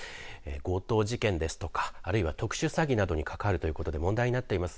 強盗事件ですとかあるいは特殊詐欺などに関わるということで問題となっています。